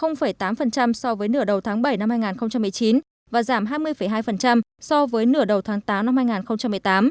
giảm tám so với nửa đầu tháng bảy năm hai nghìn một mươi chín và giảm hai mươi hai so với nửa đầu tháng tám năm hai nghìn một mươi tám